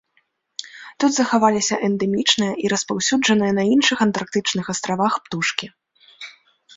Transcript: Тут захаваліся эндэмічныя і распаўсюджаныя на іншых антарктычных астравах птушкі.